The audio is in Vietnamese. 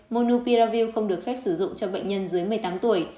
monupiravir không được phép sử dụng cho bệnh nhân dưới một mươi tám tuổi